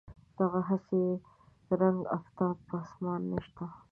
دغه هسې رنګ آفتاب په اسمان نشته.